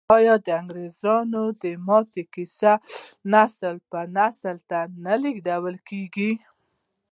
آیا د انګریزامو د ماتې کیسې نسل په نسل نه لیږدول کیږي؟